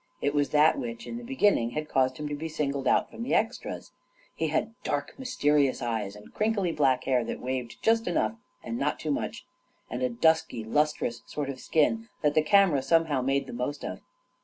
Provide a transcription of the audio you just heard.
It was that which, in the beginning, had caused him to be singled out from the extras. He had dark, mysterious eyes, and crinkly black hair that waved just enough and not too much, and a dusky, lustrous sort of skin that the camera somehow made the most of.